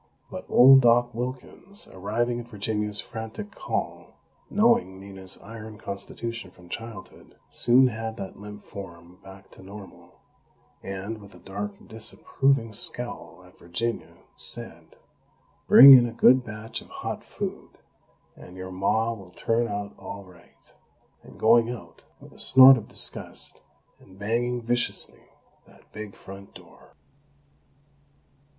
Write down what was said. But old Doc Wilkins, arriving at Virginia's frantic call, knowing Nina's iron constitution from childhood, soon had that limp form back to normal; and, with a dark, disapproving scowl at Virginia, said: "Bring in a good batch of hot food, and your Ma will turn out all right," and going out, with a snort of disgust, and banging viciously that big front door!